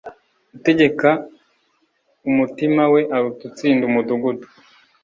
utegeka umutima we aruta utsinda umudugudu